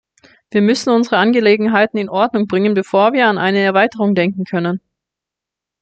Wir müssen unsere Angelegenheiten in Ordnung bringen, bevor wir an eine Erweiterung denken können.